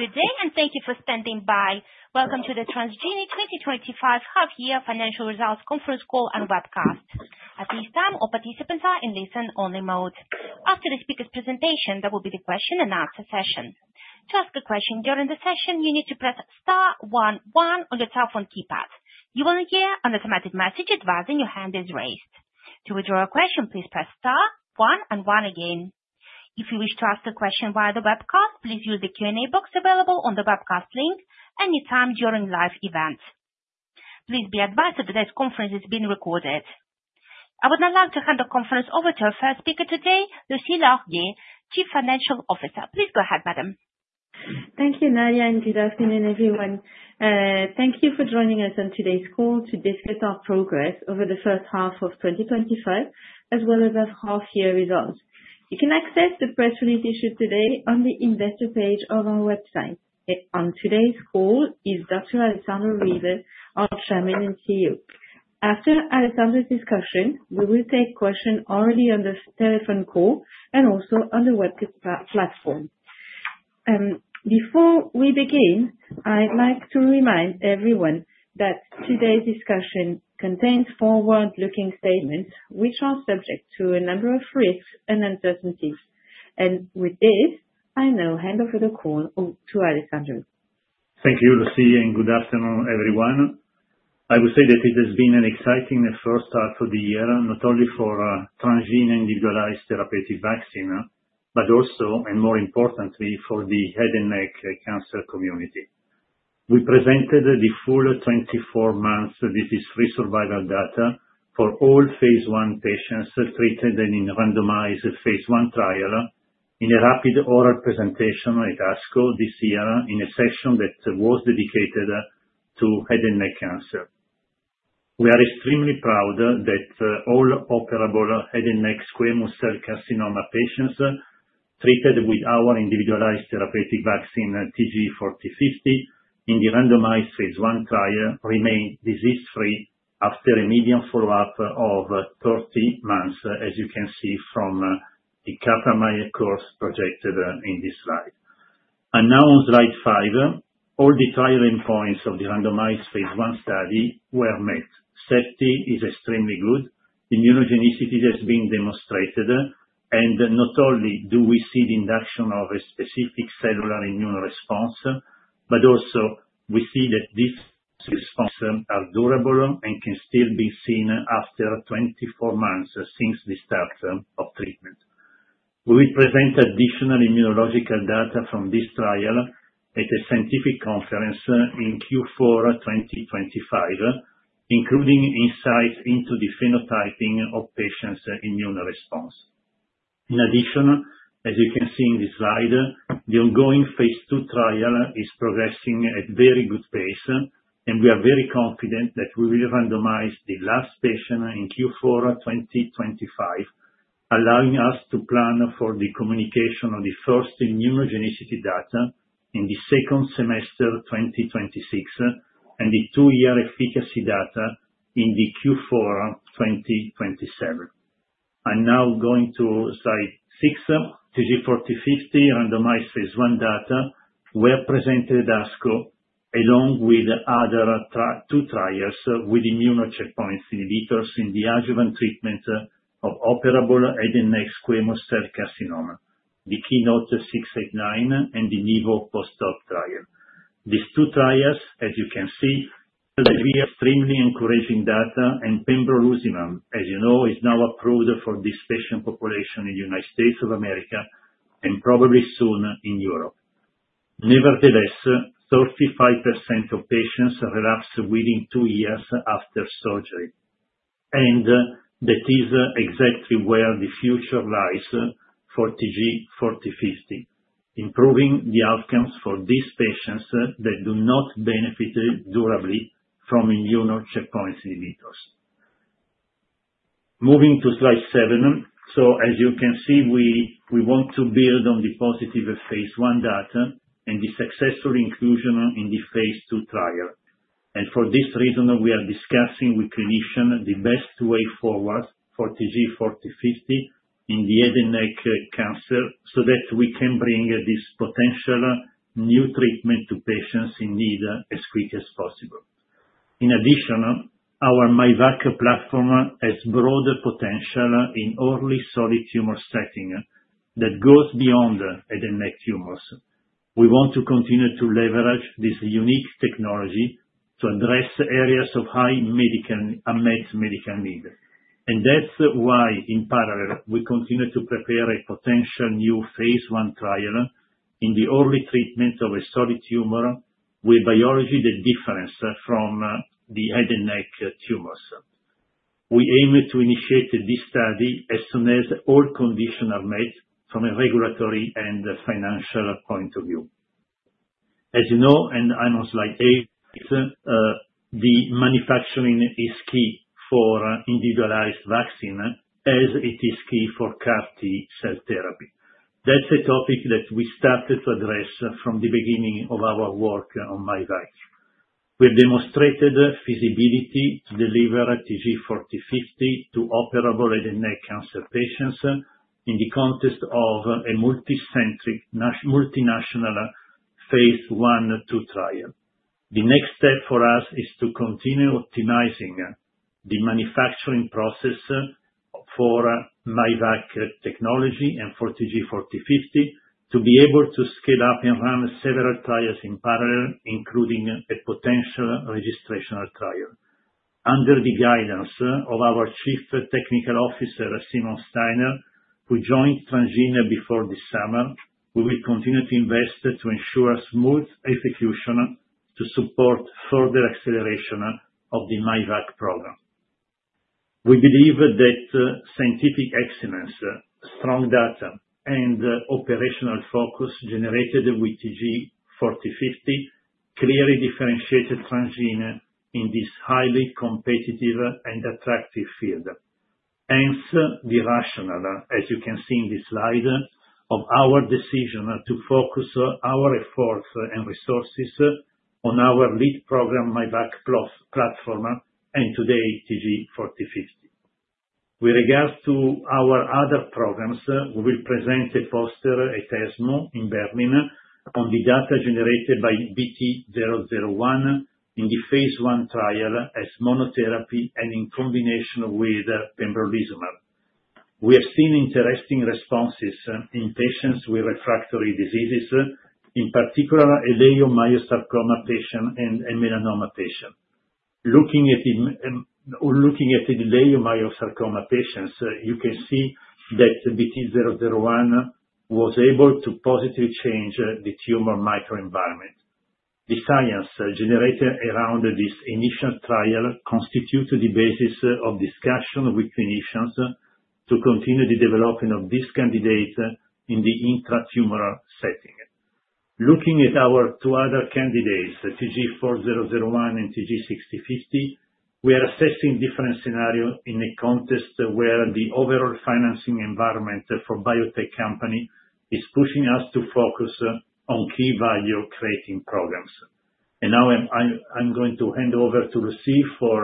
Good day, and thank you for standing by. Welcome to the Transgene 2025 Half-Year Financial Results Conference Call and Webcast. At this time, all participants are in listen-only mode. After the speaker's presentation, there will be the question-and-answer session. To ask a question during the session, you need to press star one one on your cell phone keypad. You will hear an automatic message advising your hand is raised. To withdraw a question, please press star one one again. If you wish to ask a question via the webcast, please use the Q&A box available on the webcast link anytime during the live event. Please be advised that today's conference is being recorded. I would now like to hand the conference over to our first speaker today, Lucie Larguier, Chief Financial Officer. Please go ahead, madam. Thank you, Nadia, and good afternoon, everyone. Thank you for joining us on today's call to discuss our progress over the first half of 2025, as well as our half-year results. You can access the press release issued today on the Investor page of our website. On today's call is Dr. Alessandro Riva, our Chairman and CEO. After Alessandro's discussion, we will take questions already on the telephone call and also on the web platform. Before we begin, I'd like to remind everyone that today's discussion contains forward-looking statements, which are subject to a number of risks and uncertainties, and with this, I now hand over the call to Alessandro. Thank you, Lucie, and good afternoon, everyone. I would say that it has been an exciting first start for the year, not only for Transgene individualized therapeutic vaccine, but also, and more importantly, for the head and neck cancer community. We presented the full 24-month disease-free survival data for all phase I patients treated in a randomized phase I trial in a rapid oral presentation at ASCO this year in a session that was dedicated to head and neck cancer. We are extremely proud that all operable head and neck squamous cell carcinoma patients treated with our individualized therapeutic vaccine, TG4050, in the randomized phase I trial remain disease-free after a median follow-up of 30 months, as you can see from the Kaplan-Meier curves projected in this slide. Now, on slide five, all the trial endpoints of the randomized phase I study were met. Safety is extremely good. Immunogenicity has been demonstrated, and not only do we see the induction of a specific cellular immune response, but also we see that these responses are durable and can still be seen after 24 months since the start of treatment. We will present additional immunological data from this trial at a scientific conference in Q4 2025, including insights into the phenotyping of patients' immune response. In addition, as you can see in this slide, the ongoing phase II trial is progressing at a very good pace, and we are very confident that we will randomize the last patient in Q4 2025, allowing us to plan for the communication of the first immunogenicity data in the second semester 2026 and the two-year efficacy data in Q4 2027. I'm now going to slide six. TG4050 randomized phase I data were presented at ASCO along with other two trials with immune checkpoint inhibitors in the adjuvant treatment of operable head and neck squamous cell carcinoma, the KEYNOTE-689 and the NIVO post-op trial. These two trials, as you can see, deliver extremely encouraging data, and pembrolizumab, as you know, is now approved for this patient population in the United States of America and probably soon in Europe. Nevertheless, 35% of patients relapse within two years after surgery. And that is exactly where the future lies for TG4050, improving the outcomes for these patients that do not benefit durably from immune checkpoint inhibitors. Moving to slide seven, so as you can see, we want to build on the positive phase I data and the successful inclusion in the phase II trial. And for this reason, we are discussing with clinicians the best way forward for TG4050 in the head and neck cancer so that we can bring this potential new treatment to patients in need as quickly as possible. In addition, our myvac platform has broad potential in early solid tumor setting that goes beyond head and neck tumors. We want to continue to leverage this unique technology to address areas of high unmet medical need. And that's why, in parallel, we continue to prepare a potential new phase I trial in the early treatment of a solid tumor with biology that differs from the head and neck tumors. We aim to initiate this study as soon as all conditions are met from a regulatory and financial point of view. As you know, and I'm on slide eight, the manufacturing is key for individualized vaccine as it is key for CAR T-cell therapy. That's a topic that we started to address from the beginning of our work on myvac. We have demonstrated feasibility to deliver TG4050 to operable head and neck cancer patients in the context of a multicentric multinational phase II trial. The next step for us is to continue optimizing the manufacturing process for myvac technology and for TG4050 to be able to scale up and run several trials in parallel, including a potential registration trial. Under the guidance of our Chief Technical Officer, Simone Steiner, who joined Transgene before this summer, we will continue to invest to ensure smooth execution to support further acceleration of the myvac program. We believe that scientific excellence, strong data, and operational focus generated with TG4050 clearly differentiated Transgene in this highly competitive and attractive field. Hence, the rationale, as you can see in this slide, of our decision to focus our efforts and resources on our lead program, myvac platform, and today, TG4050. With regards to our other programs, we will present a poster, a ESMO in Berlin, on the data generated by BT-001 in the phase I trial as monotherapy and in combination with pembrolizumab. We have seen interesting responses in patients with refractory diseases, in particular, a leiomyosarcoma patient and a melanoma patient. Looking at the leiomyosarcoma patients, you can see that BT-001 was able to positively change the tumor microenvironment. The science generated around this initial trial constitutes the basis of discussion with clinicians to continue the development of this candidate in the intratumoral setting. Looking at our two other candidates, TG4001 and TG6050, we are assessing different scenarios in a context where the overall financing environment for biotech companies is pushing us to focus on key value-creating programs, and now I'm going to hand over to Lucie for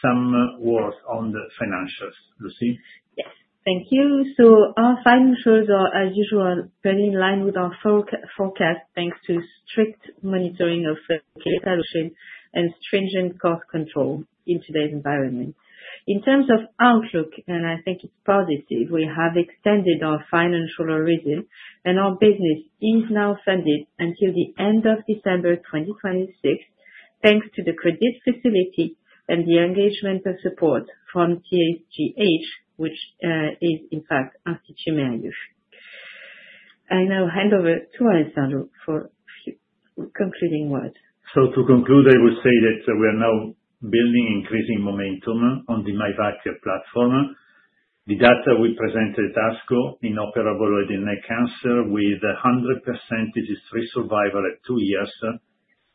some words on the financials. Lucie? Yes, thank you. So our financials are, as usual, very in line with our forecast thanks to strict monitoring of case allocation and stringent cost control in today's environment. In terms of outlook, and I think it's positive, we have extended our financial horizon, and our business is now funded until the end of December 2026, thanks to the credit facility and the engagement of support from ThGH, which is, in fact, Institut Mérieux. I now hand over to Alessandro for a few concluding words. So to conclude, I will say that we are now building increasing momentum on the myvac platform. The data we presented at ASCO in operable head and neck cancer with 100% disease-free survival at two years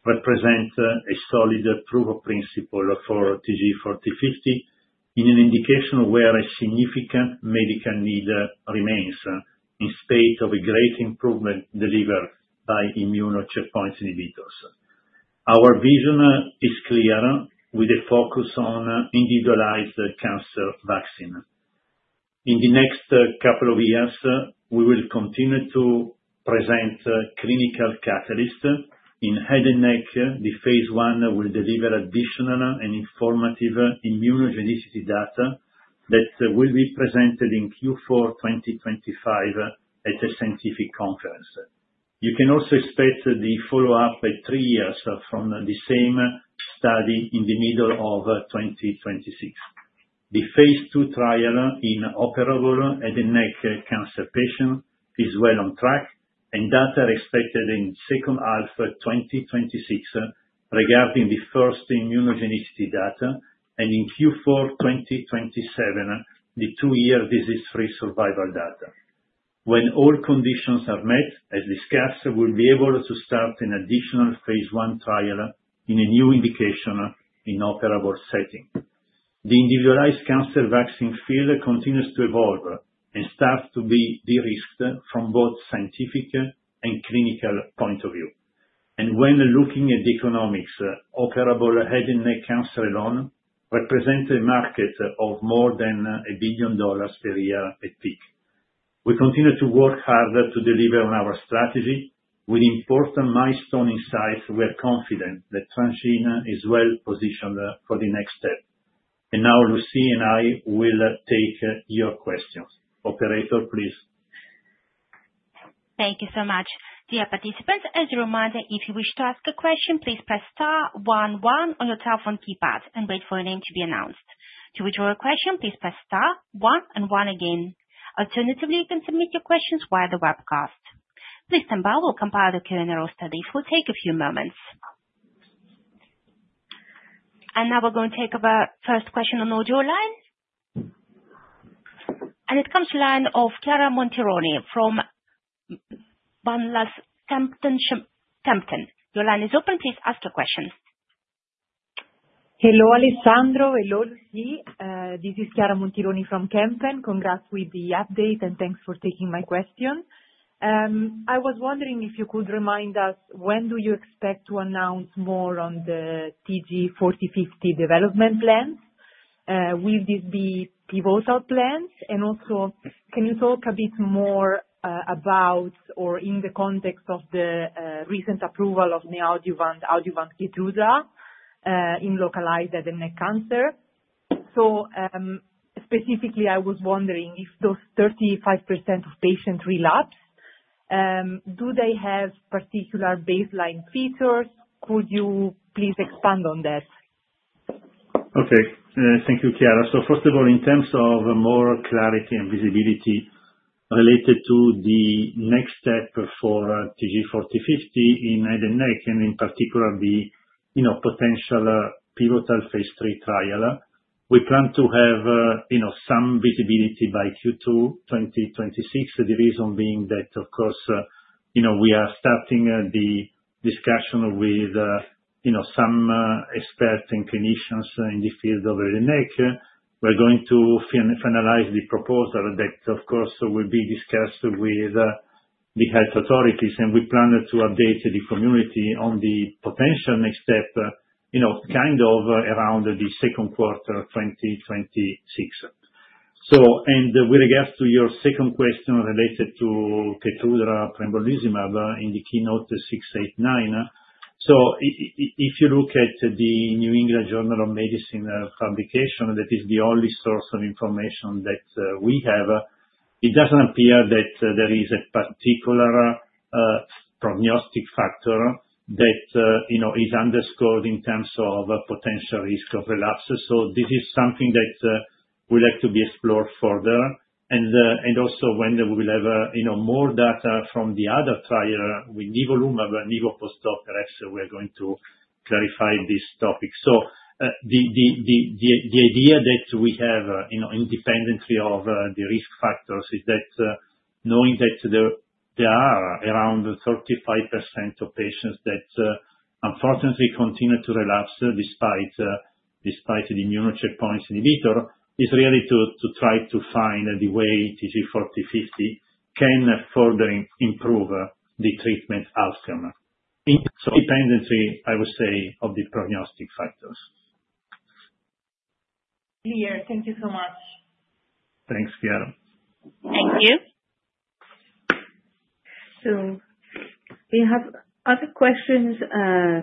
represents a solid proof of principle for TG4050 in an indication of where a significant medical need remains in spite of a great improvement delivered by immune checkpoint inhibitors. Our vision is clear with a focus on individualized cancer vaccine. In the next couple of years, we will continue to present clinical catalysts. In head and neck, the phase I will deliver additional and informative immunogenicity data that will be presented in Q4 2025 at a scientific conference. You can also expect the follow-up at three years from the same study in the middle of 2026. The phase II trial in operable head and neck cancer patients is well on track, and data are expected in second half 2026 regarding the first immunogenicity data and in Q4 2027, the two-year disease-free survival data. When all conditions are met, as discussed, we will be able to start an additional phase I trial in a new indication in operable setting. The individualized cancer vaccine field continues to evolve and starts to be de-risked from both scientific and clinical point of view. And when looking at the economics, operable head and neck cancer alone represents a market of more than $1 billion per year at peak. We continue to work hard to deliver on our strategy with important milestone insights. We are confident that Transgene is well positioned for the next step. And now, Lucie and I will take your questions. Operator, please. Thank you so much. Dear participants, as a reminder, if you wish to ask a question, please press star one, one on your telephone keypad and wait for your name to be announced. To withdraw your question, please press star one, one again. Alternatively, you can submit your questions via the webcast. Please stand by. We'll compile the Q&A roster. It will take a few moments, and now we're going to take our first question on audio line, and it comes to the line of Chiara Montironi from Van Lanschot Kempen. Your line is open. Please ask your question. Hello, Alessandro. Hello, Lucie. This is Chiara Monteroni from Kempen. Congrats with the update, and thanks for taking my question. I was wondering if you could remind us, when do you expect to announce more on the TG4050 development plans? Will this be pivotal plans? And also, can you talk a bit more about, or in the context of the recent approval of neo-adjuvant and adjuvant Keytruda in localized head and neck cancer? So specifically, I was wondering if those 35% of patients relapse, do they have particular baseline features? Could you please expand on that? Okay. Thank you, Chiara. So first of all, in terms of more clarity and visibility related to the next step for TG4050 in head and neck, and in particular, the potential pivotal phase III trial, we plan to have some visibility by Q2 2026, the reason being that, of course, we are starting the discussion with some experts and clinicians in the field of head and neck. We're going to finalize the proposal that, of course, will be discussed with the health authorities. And we plan to update the community on the potential next step kind of around the second quarter of 2026. With regards to your second question related to Keytruda and pembrolizumab in the KEYNOTE-689, if you look at the New England Journal of Medicine publication, that is the only source of information that we have. It doesn't appear that there is a particular prognostic factor that is underscored in terms of potential risk of relapse. This is something that would like to be explored further. Also, when we will have more data from the other trial with nivolumab and NIVOPOSTOP, perhaps we are going to clarify this topic. The idea that we have independently of the risk factors is that knowing that there are around 35% of patients that unfortunately continue to relapse despite the immune checkpoint inhibitor is really to try to find the way TG4050 can further improve the treatment outcome. Independently, I would say, of the prognostic factors. Thank you so much. Thanks, Chiara. Thank you. So we have other questions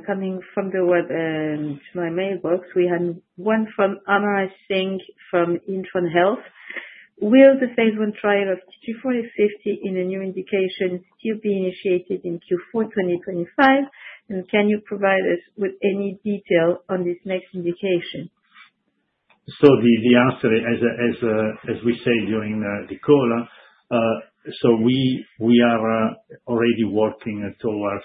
coming from the web and to my mailbox. We had one from Anna Singh from Intron Health. Will the phase I trial of TG4050 in a new indication still be initiated in Q4 2025? And can you provide us with any detail on this next indication? So the answer, as we said during the call, so we are already working towards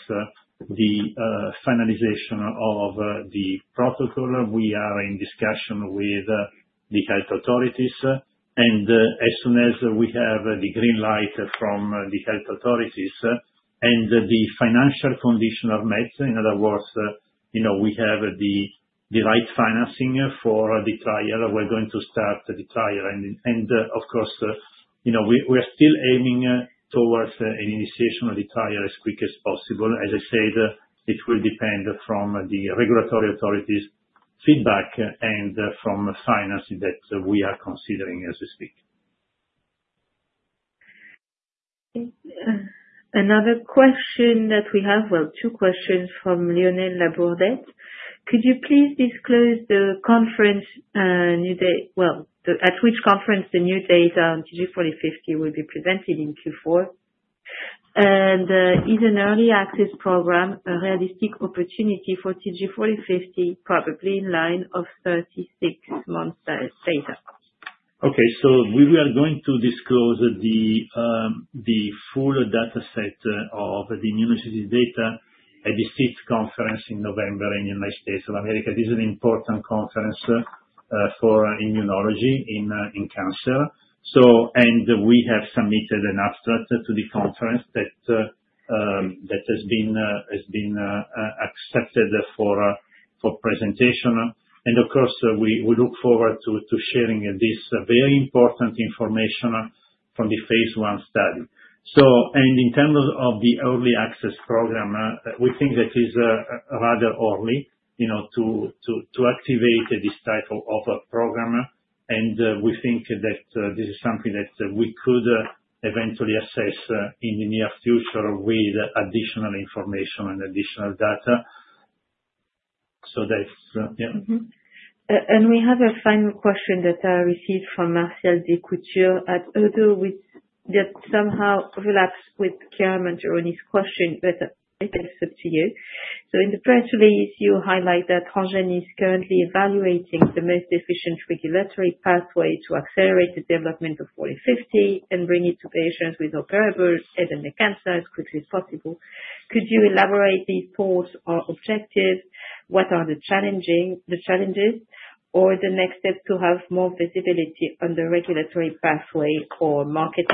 the finalization of the protocol. We are in discussion with the health authorities, and as soon as we have the green light from the health authorities and the financial conditions are met, in other words, we have the right financing for the trial, we're going to start the trial, and of course, we are still aiming towards an initiation of the trial as quickly as possible. As I said, it will depend from the regulatory authorities' feedback and from financing that we are considering as we speak. Another question that we have, well, two questions from Lionel Labourdette. Could you please disclose the conference, well, at which conference the new data on TG4050 will be presented in Q4? And is an early access program a realistic opportunity for TG4050, probably in line of 36 months' data? Okay. We were going to disclose the full dataset of the immunogenicity data at the SITC conference in November in the United States of America. This is an important conference for immunology in cancer. We have submitted an abstract to the conference that has been accepted for presentation. Of course, we look forward to sharing this very important information from the phase I study. In terms of the early access program, we think that it is rather early to activate this type of program. We think that this is something that we could eventually assess in the near future with additional information and additional data. That's, yeah. We have a final question that I received from Martial Descoutures at. Although we did somehow overlap with Chiara Montironi question, but it's up to you, so in the press release, you highlight that Transgene is currently evaluating the most efficient regulatory pathway to accelerate the development of 4050 and bring it to patients with operable head and neck cancer as quickly as possible. Could you elaborate on the importance or objectives? What are the challenges? Or the next step to have more visibility on the regulatory pathway or market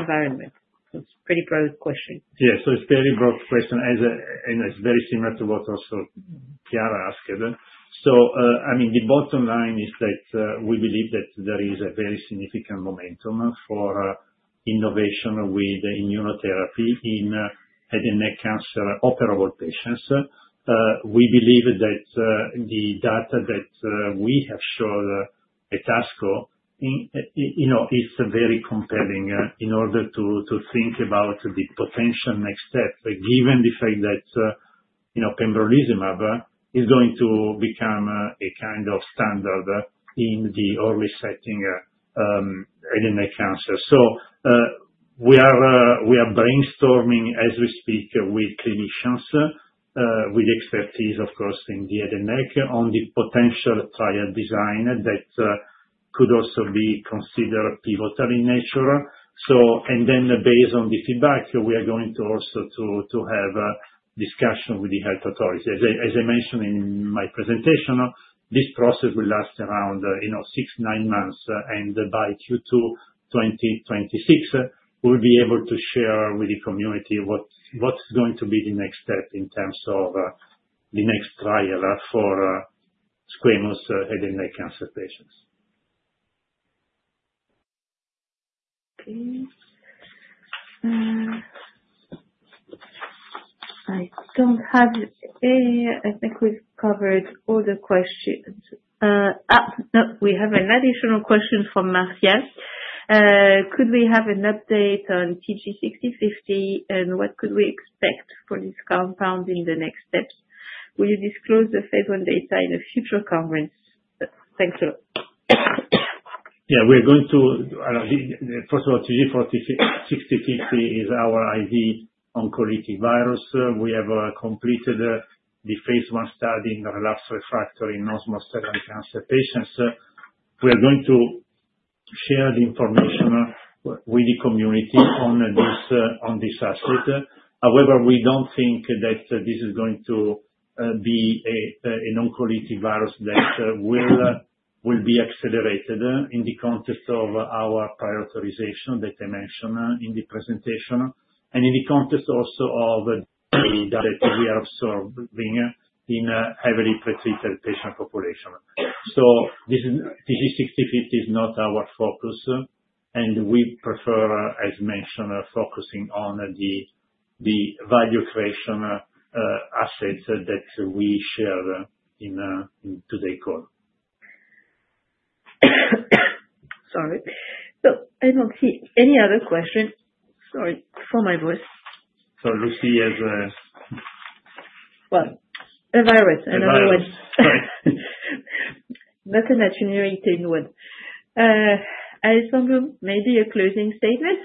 environment? It's a pretty broad question. Yeah. So it's a very broad question, and it's very similar to what also Chiara asked. So I mean, the bottom line is that we believe that there is a very significant momentum for innovation with immunotherapy in head and neck cancer operable patients. We believe that the data that we have shown at ASCO is very compelling in order to think about the potential next step, given the fact that Pembrolizumab is going to become a kind of standard in the early setting of head and neck cancer. So we are brainstorming as we speak with clinicians, with expertise, of course, in the head and neck, on the potential trial design that could also be considered pivotal in nature. And then based on the feedback, we are going to also have discussion with the health authorities. As I mentioned in my presentation, this process will last around six, nine months, and by Q2 2026, we'll be able to share with the community what's going to be the next step in terms of the next trial for squamous head and neck cancer patients. Okay. I don't have a—I think we've covered all the questions. No, we have an additional question from Martial. Could we have an update on TG6050, and what could we expect for this compound in the next steps? Will you disclose the phase I data in a future conference? Thank you. Yeah. We're going to, first of all, TG6050 is our IV oncolytic virus. We have completed the phase I study in relapsed refractory advanced solid tumor cancer patients. We are going to share the information with the community on this asset. However, we don't think that this is going to be an oncolytic virus that will be accelerated in the context of our prior authorization that I mentioned in the presentation, and in the context also of the, that we are observing in heavily pretreated patient population. So TG6050 is not our focus. And we prefer, as mentioned, focusing on the value creation assets that we shared in today's call. Sorry. So I don't see any other question. Sorry for my voice. So Lucie has a. Well, a virus. Another word. Sorry. Not an itinerary thing word. Alessandro, maybe a closing statement?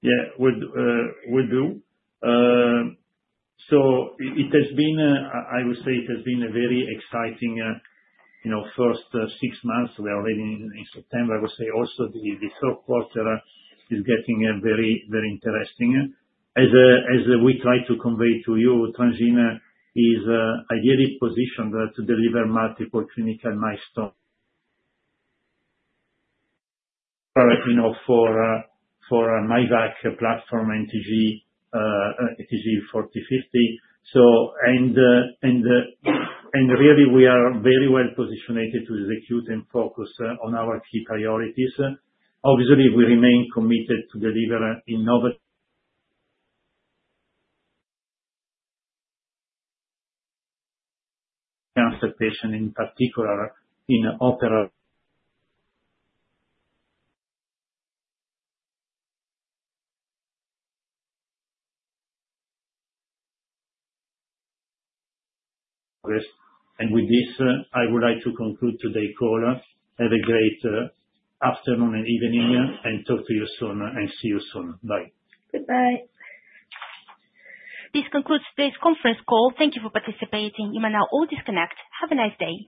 Yeah. Will do, so it has been, I would say it has been a very exciting first six months. We are already in September. I would say also the third quarter is getting very, very interesting. As we try to convey to you, Transgene is ideally positioned to deliver multiple clinical milestones for myvac platform and TG4050, and really, we are very well positioned to execute and focus on our key priorities. Obviously, we remain committed to deliver innovative cancer patients, in particular, in operation, and with this, I would like to conclude today's call. Have a great afternoon and evening, and talk to you soon and see you soon. Bye. Goodbye. This concludes today's conference call. Thank you for participating. You may now all disconnect. Have a nice day.